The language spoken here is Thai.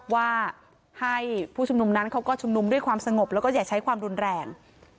ว่าให้ผู้ชุมนุมนั้นเขาก็ชุมนุมด้วยความสงบแล้วก็อย่าใช้ความรุนแรง